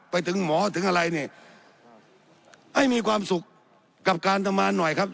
ไปถึงหมอถึงอะไรเนี่ยให้มีความสุขกับการทำงานหน่อยครับ